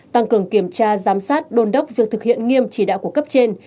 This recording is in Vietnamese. tăng cường kiểm tra giám sát đôn đốc việc thực hiện nghiêm chỉ đạo của cấp trên